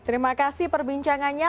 terima kasih perbincangannya